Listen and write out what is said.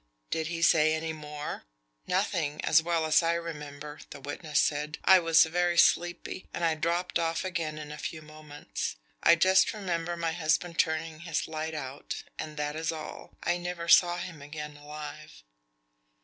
"Did he say any more?" "Nothing, as well as I remember," the witness said. "I was very sleepy, and I dropped off again in a few moments. I just remember my husband turning his light out, and that is all. I never saw him again alive."